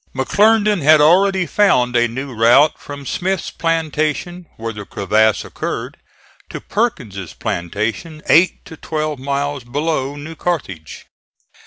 McClernand had already found a new route from Smith's plantation where the crevasse occurred, to Perkins' plantation, eight to twelve miles below New Carthage.